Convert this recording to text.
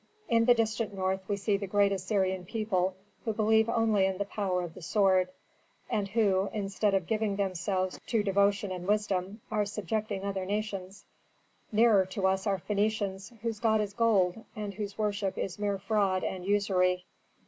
"In the distant north we see the great Assyrian people who believe only in the power of the sword, and who, instead of giving themselves to devotion and wisdom, are subjecting other nations. Nearer to us are Phœnicians, whose god is gold, and whose worship is mere fraud and usury.